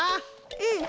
うん。